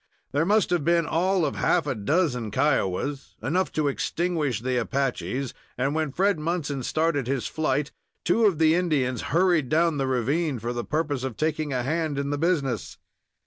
There must have been all of half a dozen Kiowas, enough to extinguish the Apaches, and when Fred Munson started in his flight, two of the Indians hurried down the ravine for the purpose of taking a hand in the business.